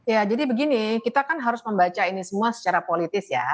ya jadi begini kita kan harus membaca ini semua secara politis ya